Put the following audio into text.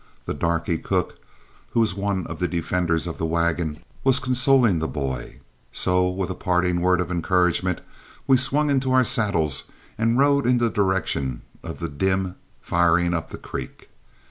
The darky cook, who was one of the defenders of the wagon, was consoling the boy, so with a parting word of encouragement we swung into our saddles and rode in the direction of dim firing up the creek.